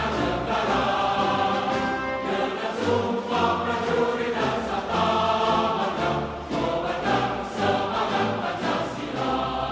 selamat hari ulang tahun tentara nasional indonesia